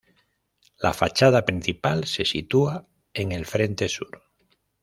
La fachada principal se sitúa en el frente sur.